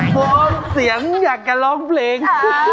ทรงเสียงอยากกระลองเพลง